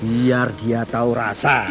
biar dia tahu rasa